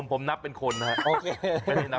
ผมม่ัดเจอเป็นคนนะฮะ